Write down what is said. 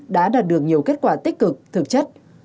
đã đạt được nhiều kết quả tích cực thực chất